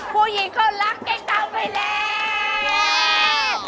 ผู้หญิงเข้ารักกันต้องไปแล้ว